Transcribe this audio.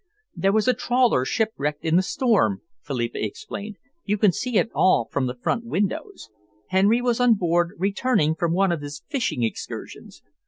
"There was a trawler shipwrecked in the storm," Philippa explained. "You can see it from all the front windows. Henry was on board, returning from one of his fishing excursions.